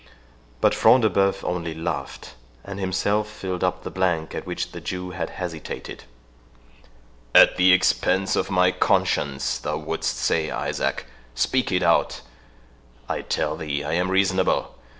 But Front de Bœuf only laughed, and himself filled up the blank at which the Jew had hesitated. "At the expense of my conscience, thou wouldst say, Isaac; speak it out—I tell thee, I am reasonable.